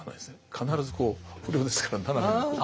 必ずこう不良ですから斜めに。